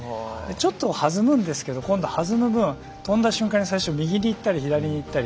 ちょっと、はずむんですけど今度は、はずむ分跳んだ瞬間に右にいったり、左にいったり